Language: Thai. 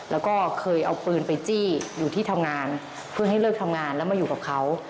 แล้วก็เคยเอาปืนไปจี้อยู่ที่ทำงานเพื่อให้เลิกทำงานแล้วมาอยู่กับเขา